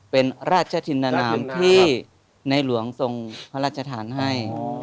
เป็นราชธิรณานามที่ในหลวงทรงพระราชธานทร์ให้อ๋อ